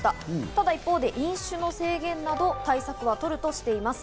ただ一方で飲酒の制限など対策はとるとしています。